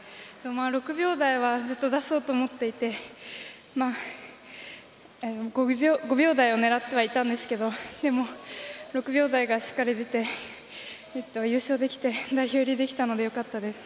６秒台は、ずっと出そうと思っていて５秒台を狙ってはいたんですけどでも、６秒台がしっかり出て優勝できて代表入りできてよかったです。